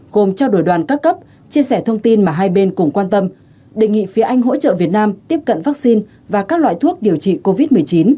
gồm trao đổi đoàn các cấp chia sẻ thông tin mà hai bên cũng quan tâm đề nghị phía anh hỗ trợ việt nam tiếp cận vaccine và các loại thuốc điều trị covid một mươi chín